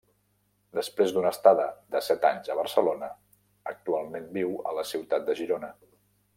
Després d'una estada de set anys a Barcelona, actualment viu a la ciutat de Girona.